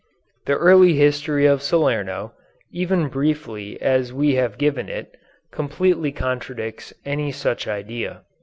The early history of Salerno, even briefly as we have given it, completely contradicts any such idea.